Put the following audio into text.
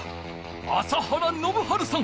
朝原宣治さん！